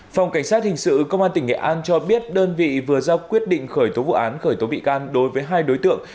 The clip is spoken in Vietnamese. phòng cảnh sát hình sự công an tỉnh nghệ an cho biết đơn vị vừa ra quyết định khởi tố vụ án khởi tố bị can đối với hai đối tượng